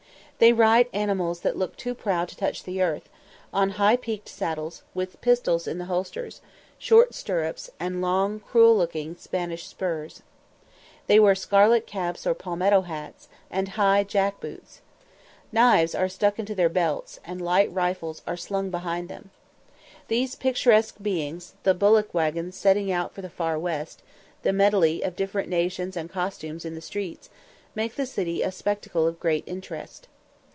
They ride animals that look too proud to touch the earth, on high peaked saddles, with pistols in the holsters, short stirrups, and long, cruel looking Spanish spurs. They wear scarlet caps or palmetto hats, and high jack boots. Knives are stuck into their belts, and light rifles are slung behind them. These picturesque beings the bullock waggons setting out for the Far West the medley of different nations and costumes in the streets make the city a spectacle of great interest.